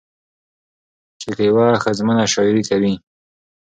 چې که يوه ښځمنه شاعري کوي